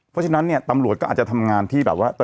เพราะฉะนั้นเนี่ยตำรวจก็อาจจะทำงานที่แบบว่า